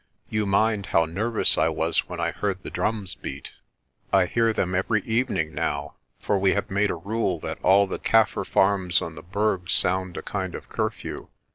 You mind how nervous I was when I heard the drums beat. I hear them every evening now, for we have made a rule that all the Kaffir farms on the Berg sound a kind of curfew.